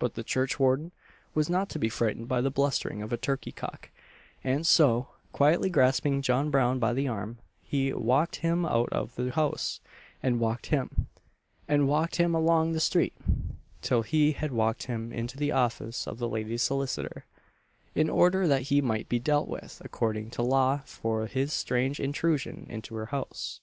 But the churchwarden was not to be frightened by "the blustering of a turkey cock;" and so, quietly grasping John Brown by the arm, he "walked him out of the house;" and walked him, and walked him along the street, till he had walked him into the office of the lady's solicitor, in order that he might be dealt with according to law for his strange intrusion into her house.